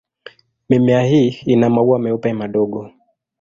Mimea hii ina maua meupe madogo.